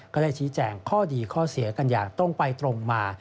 ก็ได้ชี้แจงข้อดีข้อเสียกันอย่างตรงไปตรงมา